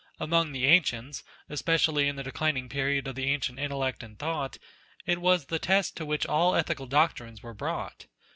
Among the ancients, especially in the declining period of ancient intellect and thought, it was the test to which all ethical doctrines were brought.